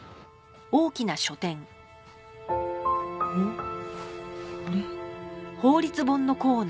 うん？あれ？